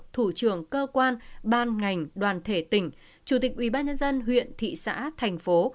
thủ trưởng cơ quan ban ngành đoàn thể tỉnh chủ tịch ubnd huyện thị xã thành phố